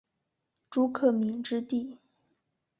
朱克敏之弟。